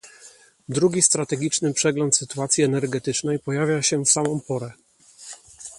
Drugi strategiczny przegląd sytuacji energetycznej pojawia się w samą porę